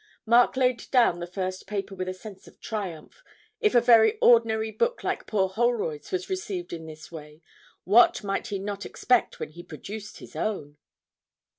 Mark laid down the first paper with a sense of triumph. If a very ordinary book like poor Holroyd's was received in this way, what might he not expect when he produced his own!